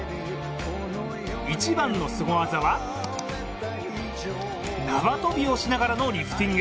一番のすご技は縄跳びをしながらのリフティング。